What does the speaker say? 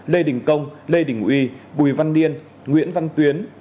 lê đình công lê đình uy bùi văn điên nguyễn văn tuyến